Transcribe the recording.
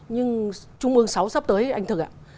nhưng trung ương sáu sắp tới anh thực ạ